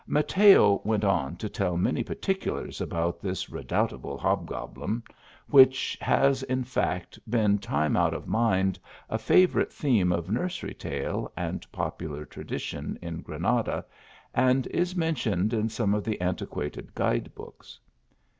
Mateo went on to tell many particulars about this redoutable hobgoblin, which has, in fact, been time out of mind a favourite theme of nursery tale and popular tradition in Granada, and is mentioned in some of the antiquated guide books.